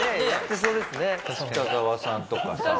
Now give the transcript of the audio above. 北澤さんとかさ。